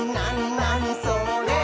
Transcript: なにそれ？」